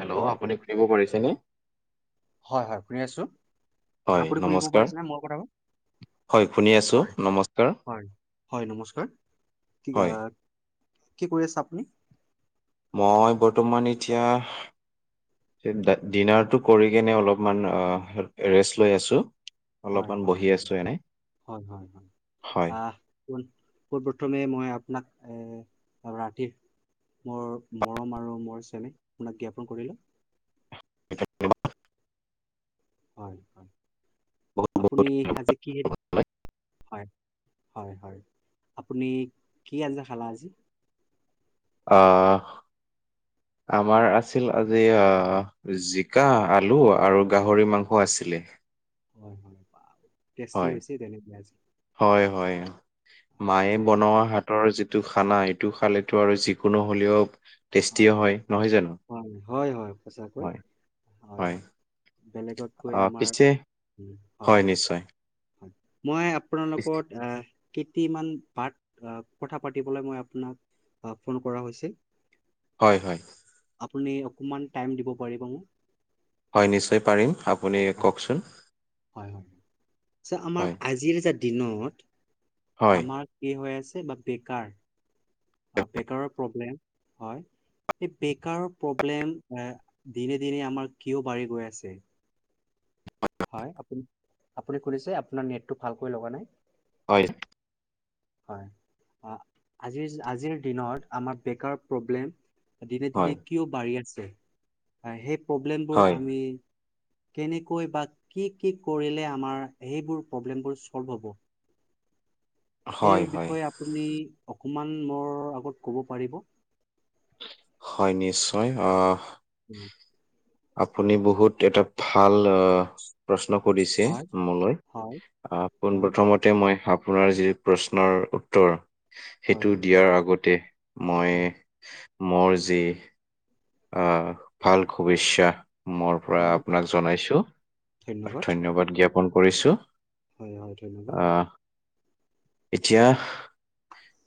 Hello আপুনি শুনিব পাৰিছেনে? হয় হয় শুনি আছো। হয় আপুনি শুনিব নমস্কাৰ, পাৰিছেনে মোৰ কথাবোৰ? হয় শুনি আছো হয় নমস্কাৰ। হয় হয় নমস্কাৰ কি হয়, [unintelligible] কি কৰি আছা আপুনি? মই বৰ্তমান এতিয়া সেই দা ডিনাৰটো কৰি কেনে অলপমান আহ ৰেষ্ট লৈ আছো। হয় অলপমান হয় বহি হয় আছো এনে হয় হয় হয় হয়। আহ পোন পোনপ্ৰথমে মই আপোনাক এহ ৰাতিৰ মোৰ মৰম আৰু মোৰ চেনেহ আপোনাক জ্ঞাপন কৰিলো। [unintelligible] হয় হয় বহুত বহুত আপুনি আজি কি হে দি আপোনালৈ। হয় হয় হয় আপুনি কি আঞ্জা খালা আজি? আহ আমাৰ আছিল আজি আহ জিকা, আলু আৰু গাহৰি মাংস আছিলে। হয় হয় বাল। হয়, হয় হয় হয়, মায়ে আজি বনোৱা হাত তৰ যিটো খানা সেইটো খালেতো আৰু যিকোনো হ'লেও টেষ্টিয়ে হয় নহয় জানো? হয় হয় হয় সঁচাকৈ, হয় হয়। বেলেগতকৈ আহ আমাৰ পিছে উম, হয় হয়। হয় মই আপোনাৰ পিছে- লগত আহ কেইটিমান পাৰ্টি আহ কথা পাতিবলৈ মই আপোনাক আ ফোন কৰা হৈছে। হয় হয়। আপুনি অকমান টাইম দিব পাৰিব মোক? হয় নিশ্চয় পাৰিম আপুনি হয় কওকচোন? হয় হয় ছা আমাৰ হয় আজিৰ যে দিনত হয় আমাৰ কি হৈ আছে বা বেকাৰ, বেকাৰৰ প্ৰব্লেম, হয়। এই বেকাৰৰ প্ৰব্লেম এ দিনে দিনে আমাৰ কিয় বাঢ়ি গৈ আছে? হয়, আপুনি আপুনি শুনিছে, আপোনাৰ নেটটো ভালকৈ লগা নাই? হয়। হয়, আজিৰ আজিৰ দিনত আমাৰ বেকাৰ প্ৰব্লেম দিনে দিনে হয় কিয় বাঢ়ি আছে, অ' সেই প্ৰব্লেমবোৰ হয় আমি কেনেকৈ বা কি কি কৰিলে, আমাৰ সেইবোৰ প্ৰব্লেমবোৰ ছ'ল্ভ হ'ব। হয় সেই হয় বিষয়ে আপুনি, অকমান মোৰ আগত ক'ব পাৰিব। হয় নিশ্চয়, অ' উম্। আপুনি বহুত এটা ভাল, অ'। প্ৰশ্ন কৰিছে, হয়, মোলৈ হয়, অ', পোন হয়, প্ৰথমত তে মই আপোনাৰ যি প্ৰশ্নৰ উত্তৰ, হয়, সেইটো দিয়াৰ আগতে মই, হয়, মোৰ যি অ', ভাল শুভেচ্ছা মোৰ পৰা হয়, আপোনাক জনাইছোঁ, ধন্যবাদ জ্ঞাপন কৰিছোঁ। হয় হয়, ধন্যবাদ। এতিয়া,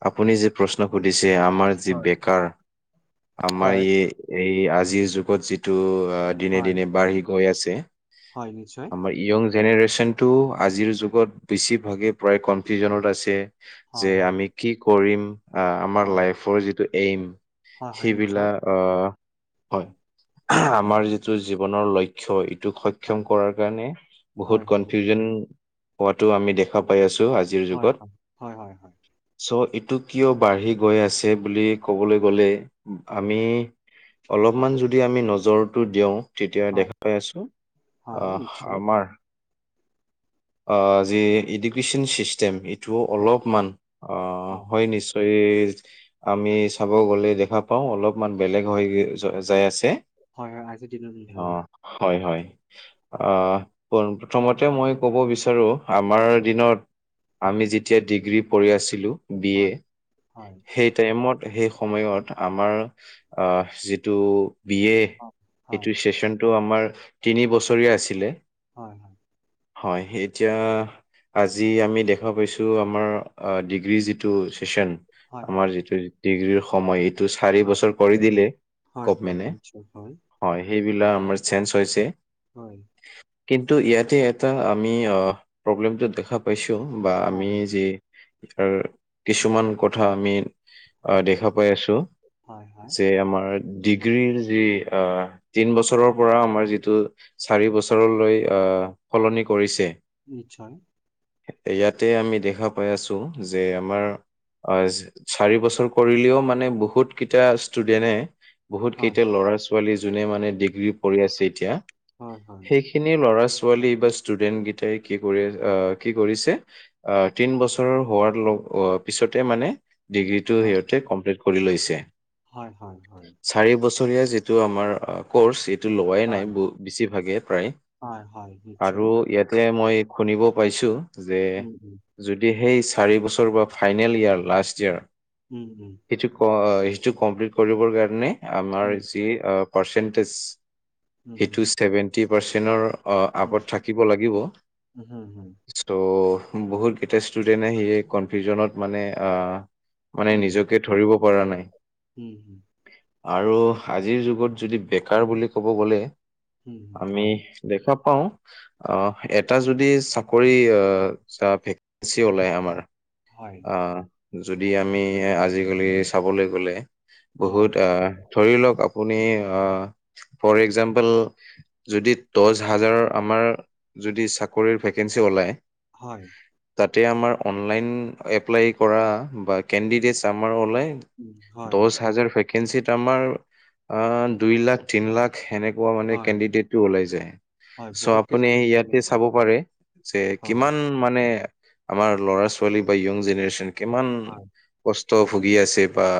আপুনি যে প্ৰশ্ন সুধিছে আমাৰ যি হয়। বেকাৰ, আমাৰ হয়, ই এই আজিৰ যুগত যিটো আ দিনে হয়, দিনে বাঢ়ি গৈ আছে। হয়, নিশ্চয়। আমাৰ য়ং জেনেৰেশ্যনটো, আজিৰ যুগত বেছিভাগেই প্ৰায় কনফিউজনত আছে। যে হয়, হয়, আমি কি কৰিম, আমাৰ হয়, লাইফৰ যিটো এইম হয়, হয়, নিশ্চয়। সেইবিলাক অ', হয়। আমাৰ হয়, যিটো জীৱনৰ লক্ষ্য চ' ইটোক হয়, সক্ষম কৰাৰ কাৰণে, হয়, বহুত হয়, কনফিউজন হোৱাতো আমি দেখা পাই আছোঁ। আজ হয় হয়, হয় হয় হয়। চ' এইটো কিয় বাঢ়ি গৈ আছে, বুলি ক'বলৈ গ'লে হয়, আমি অলপমান যদি আমি নজৰটো দিওঁ। তেতিয়া হয়, দেখাই আছোঁ, হয়, অ', নিশ্চয়। আমাৰ যি এডুকেচন চিষ্টেম, এইটোও হয়, অলপমান, অ' হয় নি ত' এই আমি চাব গ'লে দেখা পাওঁ। অলপমান বেলেগ হৈ যাই আছে। হয় হয়, আজিৰ দিনত অ হয়। হয় হয়, হয়, অ'। প্ৰথমতে মই ক'ব বিচাৰোঁ, আমাৰ দিনত আমি যেতিয়া, ডিগ্ৰী পঢ়ি আছিলোঁ। বি এ, হয়, হয়, সেই টাইমত সেই সময়ত আমাৰ অ', যিটো বি এ, হয়, সেইটো চেচনটো আমাৰ তিনি বছৰীয়া আছিলে। হয় হয়। হয়, এতিয়া আজি আমি দেখা পাইছোঁ, আমাৰ ডিগ্ৰীৰ যিটো ছেচন। আমাৰ যিটো ডিগ্ৰীৰ সময়, এইটো চাৰি বছৰ। কৰি দিলে গভমেন্টে। হয়, সেইবিলাক আমাৰ চেঞ্জ হৈছে। হয়। কিন্তু ইয়াতে এটা আমি অ', প্ৰব্লেমটো দেখা কৈছোঁ বা আমি যি কিছুমান কথা আমি অ', দেখা পাই আছোঁ। যে আমাৰ ডিগ্ৰীৰ, যি অ', তিনি বছৰৰ পৰা আমাৰ যিটো চাৰি বছৰলৈ আহ সলনি কৰিছে। নিশ্চয়। ইয়াতে আমি দেখা পাই আছো যে আমাৰ। হয় চাৰি বছৰ কৰিলেও মানে বহুত। কেইটা ষ্টুডেন্টে বহুত কেইটা ল'ৰা ছোৱালী যোনে মানে ডিগ্ৰী কৰিঢ় আছে এতিয়া। হয় হয়। সেইখিনি লৰা ছোৱালী বা ষ্টুডেন্ট কেইটাই কি কৰি আহ কি কৰিছে। আহ তিন বছৰৰ হোৱাৰ পিছতে মানে ডিগ্ৰী, সিহতে কমপ্লিট কৰি লৈছে। হয় হয় হয়। চাৰি বছৰীয়া যিটো আমাৰ কৰ্চ এইটো লোৱাই নাই বেছিভাগে প্ৰায়। আৰু ইয়াতে মই শুনিব পাইছোঁ যে, যদি সেই চাৰি বছৰ বা ফাইনেল ইয়োৰ লাষ্ট ইয়েৰ। উম উম। সেইটো সেইটো কমপ্লিট কৰিবৰ কাৰণে আমাৰ যি পাৰ্চেন্টিজ। সেইটো ছেভেন্টি পাৰ্চেন্টৰ, অ আগত থাকিব লাগিব। চ বহুত কেইটা ষ্টুডেন্ট আহি কনফিউজনত মানে। মানে নিজকে ধৰিব পৰা নাই। উম, আৰু আজিৰ যুগত যদি বেকাৰ বুলি ক'ব গ'লে আমি। দেখা পাওঁ। অ এটা যদি চাকৰি আহ ভেকেঞ্চি ওলাই আমাৰ। হয়। অ যদি আমি আজিকালি চাবলৈ গ'লে বহুত আহ। ধৰি লওক আপুনি অ ফৰ একজামপল। যদি দহ হাজাৰৰ আমাৰ যদি চাকৰিৰ ভেকেঞ্চি ওলায়। হয়। তাতে আমাৰ অনলাইন এপ্লাই কৰা বা কেণ্ডিডেটছ আমাৰ অনলাইন। দহ হাজাৰ ভেকেঞ্চিত আমাৰ আ দুই লাখ। তিন লাখ সেনেকুৱা মানে কেণ্ডিডেটটো ওলাই যায়। চ আপুনি ইয়াতে চাব পাৰে যে কিমান মানে আমাৰ ল'ৰা ছোৱালী বা ইয়ং জেনেৰেচন কিমান কষ্ট ভুগি আছে বা,